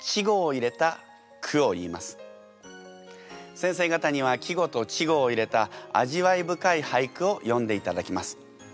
先生方には季語と稚語を入れた味わい深い俳句を詠んでいただきます。